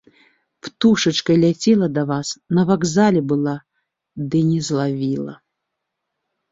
Птушачкай ляцела да вас, на вакзале была, ды не злавіла.